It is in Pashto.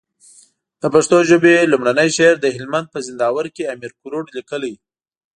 د پښتو ژبي لومړنی شعر د هلمند په زينداور کي امير کروړ ليکلی